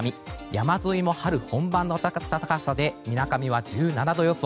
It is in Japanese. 山沿いも春本番の暖かさでみなかみは１７度予想。